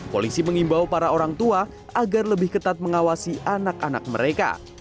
polisi mengimbau para orang tua agar lebih ketat mengawasi anak anak mereka